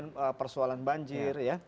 bagaimana kemudian persoalan banjir ya